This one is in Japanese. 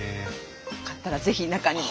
よかったら是非中にも。